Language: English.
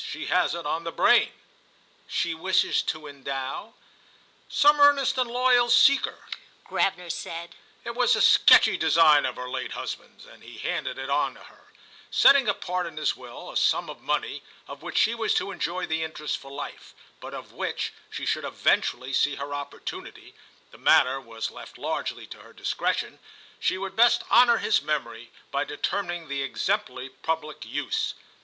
She has it on the brain." "She wishes to endow—?" "Some earnest and 'loyal' seeker," Gravener said. "It was a sketchy design of her late husband's, and he handed it on to her; setting apart in his will a sum of money of which she was to enjoy the interest for life, but of which, should she eventually see her opportunity—the matter was left largely to her discretion—she would best honour his memory by determining the exemplary public use.